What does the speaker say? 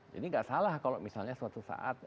jadi nggak salah kalau misalnya suatu saat